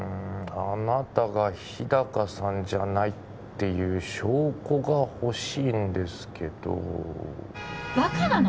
あなたが日高さんじゃないっていう証拠がほしいんですけどバカなの？